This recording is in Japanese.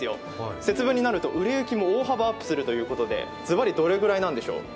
節分になると売れ行きも大幅アップするということで、ずばりどれくらいなんでしょう？